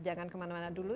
jangan kemana mana dulu